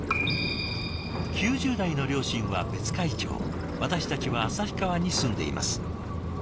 「９０代の両親は別海町私たちは旭川に住んでいます。